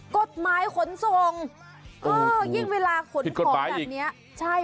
กฎหมายขนส่งเออยิ่งเวลาขนของแบบนี้ใช่